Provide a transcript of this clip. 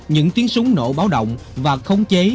những tiếng súng nổ báo động và không chế